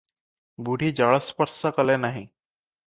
ବୁଢ଼ୀ ଜଳସ୍ପର୍ଶ କଲେ ନାହିଁ ।